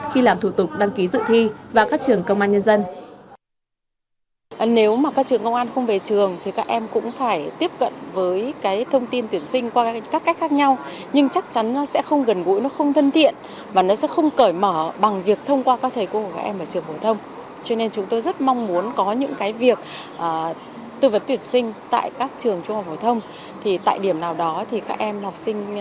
khi làm thủ tục đăng ký dự thi và các trường công an nhân dân